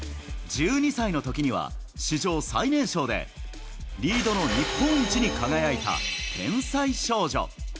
１２歳のときには、史上最年少でリードの日本一に輝いた天才少女。